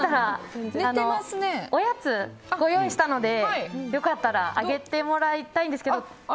おやつをご用意したのでよかったらあげてもらいたいんですけど。